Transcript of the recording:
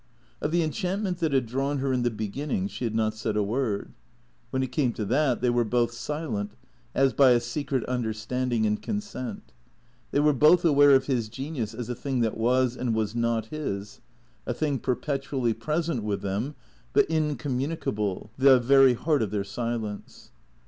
Of the enchantment that had drawn her in the beginning, she had not said a word. When it came to that they were both silent, as by a secret understanding and consent. They were both aware of his genius as a thing that was and was not his, a thing perpetually present with them but incommunicable, the very heart of their silence.